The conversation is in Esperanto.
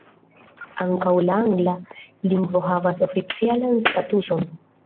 Ankaŭ la angla lingvo havas oficialan statuson.